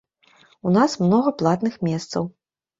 У нас многа платных месцаў.